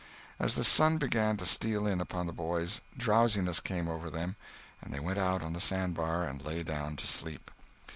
As the sun began to steal in upon the boys, drowsiness came over them, and they went out on the sandbar and lay down to sleep.